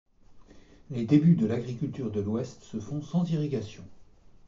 Les débuts de l’agriculture de l’Ouest se font sans irrigation.